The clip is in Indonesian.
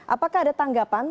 apakah ada tanggapan